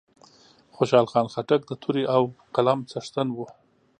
خوشحال خان خټک د تورې او قلم څښتن وو